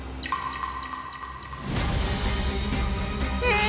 え